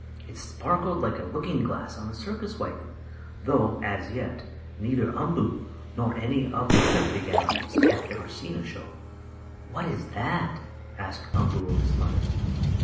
It sparkled like a looking glass on a circus wagon, though, as yet, neither Umboo, nor any of the other big animals had ever seen a show. "What is that?" asked Umboo of his mother.